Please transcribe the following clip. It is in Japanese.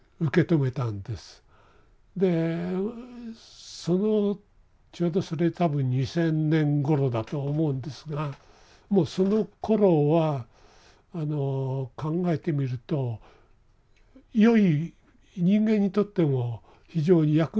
でそのちょうどそれ多分２０００年ごろだと思うんですがもうそのころはあの考えてみるとよい人間にとっても非常に役に立つウイルスの存在は分かりつつあって